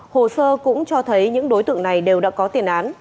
hồ sơ cũng cho thấy những đối tượng này đều đã có tiền án